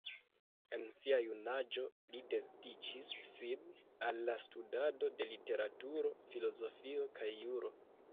En sia junaĝo li dediĉis sin al la studado de literaturo, filozofio kaj juro.